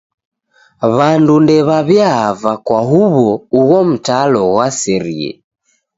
W'andu ndew'aw'iava kwa huw'o ugho mtalo ghwaserie.